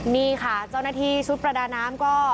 นี่ค่ะเจ้าหน้าที่ชุดประดาน้ำก็